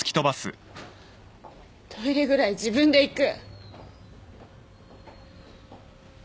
トイレぐらい自分で行く。